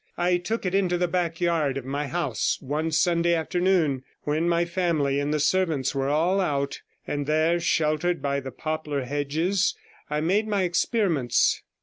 I took it into the back garden of my house one Sunday afternoon when my family and the servants were all out, and there, sheltered by the poplar hedges, I made my experiments.